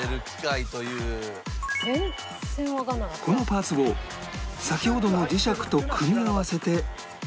このパーツを先ほどの磁石と組み合わせて